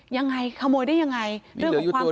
ยังไงขโมยได้ยังไงเรื่องของความ